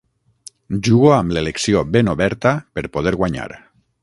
Jugo amb l'elecció ben oberta per poder guanyar.